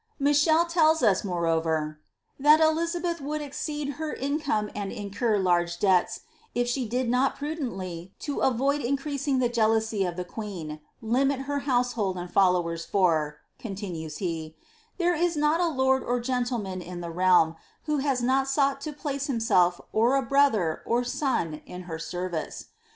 '' Michele tells 08, moreover, ^ that Elizabeth would exceed her income and incur large debts, if she did not prudently, to avoid increasing the jealousy of the queen, limit her household and followers, for," continues he, ^^ there is Dot a lonl or gentleman in the realm, who has not sought to place him self, or a brother, or son, in her service.